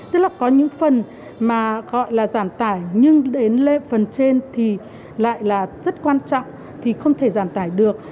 tức là có những phần mà gọi là giảm tải nhưng đến lên phần trên thì lại là rất quan trọng thì không thể giảm tải được